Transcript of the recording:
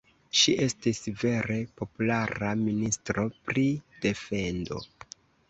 Ŝi estis vere populara ministro pri defendo.